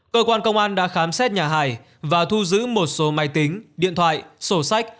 cơ quan công an đã khám xét nhà hải và thu giữ một số máy tính điện thoại sổ sách